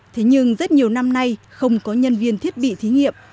thế nhưng rất nhiều năm nay không có nhân viên thiết bị thí nghiệm